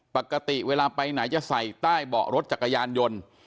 ปกติเวลาไปไหนจะใส่ใต้เบาะรถจักรยานยนต์